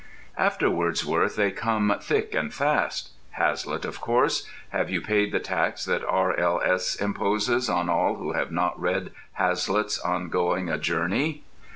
After Wordsworth they come thick and fast. Hazlitt, of course—have you paid the tax that R.L.S. imposes on all who have not read Hazlitt's "On Going A Journey?"